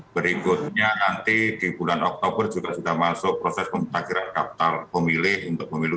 berikutnya nanti di bulan oktober juga sudah masuk proses pemutakhiran kapital pemilih untuk pemilu dua ribu dua puluh empat